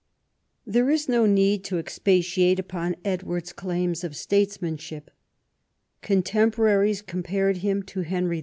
There is no need to expatiate upon Edward's claims to statesmanship. Contemporaries compared him to Henry H.